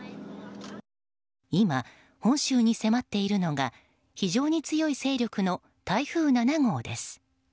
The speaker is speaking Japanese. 今、本州に迫っているのが非常に強い勢力の台風７号です。